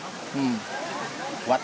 hmm buat fitur